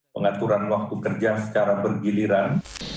pengaturan waktu kerja secara bergiliran